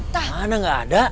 mana gak ada